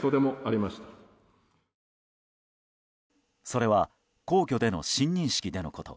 それは皇居での親任式でのこと。